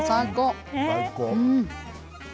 最高。